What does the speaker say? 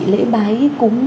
lễ bái cúng